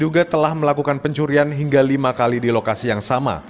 juga telah melakukan pencurian hingga lima kali di lokasi yang sama